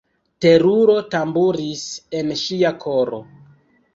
Teruro tamburis en ŝia koro.